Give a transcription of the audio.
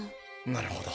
なるほど。